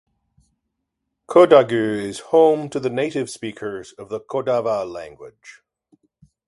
Kodagu is home to the native speakers of the Kodava language.